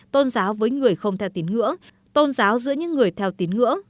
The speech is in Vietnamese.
tôn giáo với người không theo tín ngưỡng tôn giáo giữa những người theo tín ngưỡng